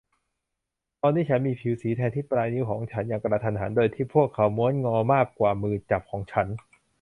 ตอนนี้ฉันมีผิวสีแทนที่ปลายนิ้วของฉันอย่างกระทันหันโดยที่พวกเขาม้วนงอมากกว่ามือจับของฉัน